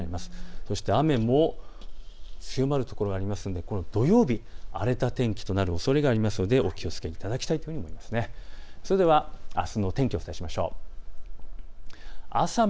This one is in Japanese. そして雨も強まる所がありますので土曜日荒れた天気となるおそれがありますのでお気をつけいただきたいです。